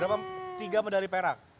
berapa tiga medali perak